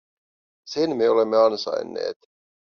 Sen me olemme ansainneet!